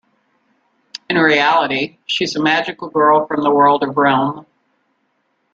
In reality she is a magical girl from the world of Realm.